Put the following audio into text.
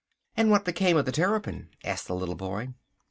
"And what became of the Terrapin?" asked the little boy.